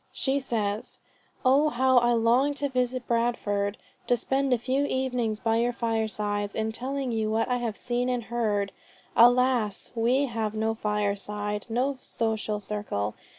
She says, "Oh how I long to visit Bradford; to spend a few evenings by your firesides, in telling you what I have seen and heard. Alas! we have no fireside, no social circle.